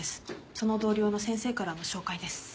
その同僚の先生からの紹介です。